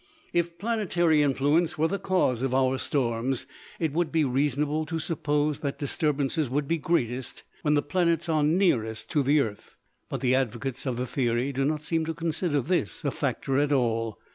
If planetary influence were the cause of our storms, it would be reasonable to suppose that disturbances would be greatest when the planets are nearest to the earth: but the advocates of the theory do not seem to consider this a factor at all.